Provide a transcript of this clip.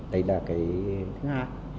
đấy là cái thứ hai